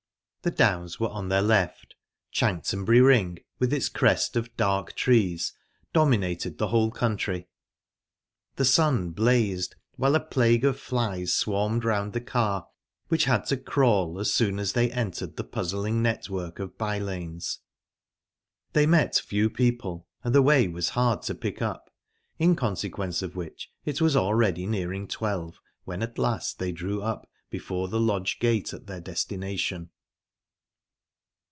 The Downs were on their left. Chanctonbury Ring, with its crest of dark trees, dominated the whole country. The sun blazed, while a plague of flies swarmed round the car, which had to crawl as soon as they entered the puzzling network of by lanes. They met few people, and the way was hard to pick up, in consequence of which it was already nearing twelve when at last they drew up before the lodge gate at their destination.